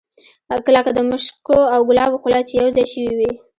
لکه د مشکو او ګلابو خوله چې یو ځای شوې وي.